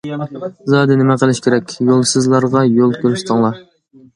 زادى نېمە قىلىش كېرەك؟ يولسىزلارغا يول كۆرسىتىڭلار!